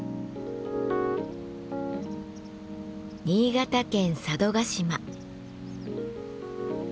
新潟県佐渡島。